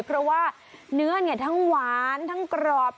เพราะว่าเนื้อทั้งหวานทั้งกรอบ